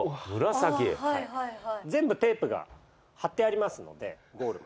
全部テープが貼ってありますのでゴールまで。